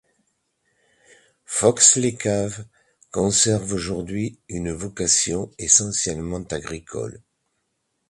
Folx-les-Caves conserve aujourd’hui une vocation essentiellement agricole.